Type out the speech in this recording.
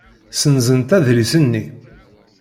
Ssenzent adlis-nni.